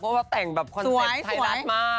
เพราะว่าแต่งแบบคอนเซ็ปต์ไทรัสมาก